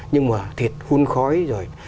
nhưng mà thịt hun khói rồi